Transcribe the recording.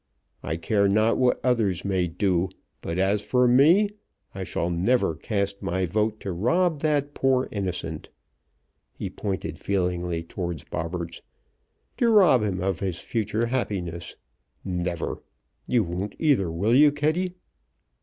I care not what others may do, but as for me I shall never cast my vote to rob that poor innocent," he pointed feelingly toward Bobberts, "to rob him of his future happiness! Never. You won't either, will you, Kitty?"